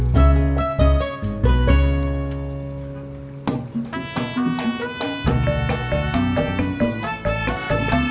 jangan beli di pok iyam